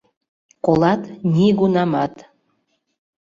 Колат — нигунамат.